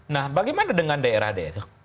nah bagaimana dengan daerah daerah